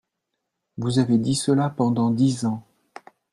Vous avez dit cela pendant dix ans